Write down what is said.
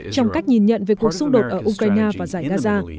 trong cách nhìn nhận về cuộc xung đột ở ukraine và giải gaza